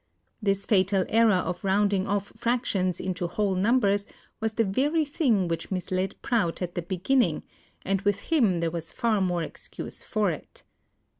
This fatal error of rounding off fractions into whole numbers was the very thing which misled Prout at the beginning and with him there was far more excuse for it.